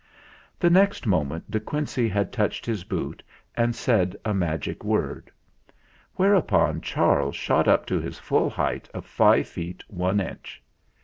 The next moment De Quincey had touched his boot and said a magic word; whereupon Charles shot up to his full height of five feet one inch.